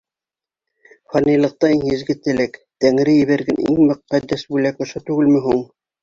Фанилыҡта иң изге теләк, Тәңре ебәргән иң мөҡәддәс бүләк ошо түгелме һуң?